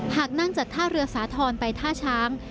หากนั่งจากท่าเรือสาธรณ์ไปท่าช้าง